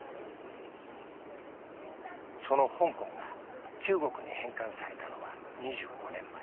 その香港が中国に返還されたのは２５年前。